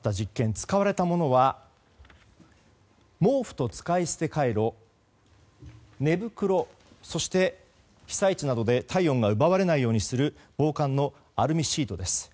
使われたものは毛布と使い捨てカイロ寝袋、そして被災地などで体温が奪われないようにする防寒のアルミシートです。